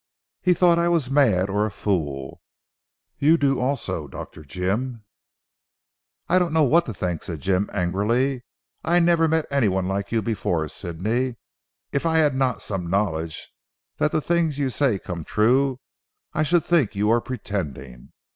He thought I was mad or a fool. You do also, Dr. Jim." "I don't know what to think," said Jim angrily; "I never met anyone like you before, Sidney. If I had not some knowledge that the things you say come true I should think you were pretending.